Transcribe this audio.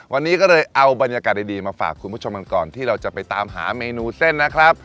วันนี้ก็เลยเอาบรรยากาศดีมาฝากคุณผู้ชมกันก่อนที่เราจะไปตามหาเมนูเส้นนะครับ